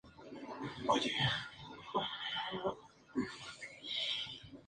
Surgen dos grandes corrientes: el budismo de la Tierra Pura y el budismo Zen.